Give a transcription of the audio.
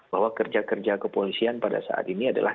bahwa kerja kerja kepolisian pada saat ini adalah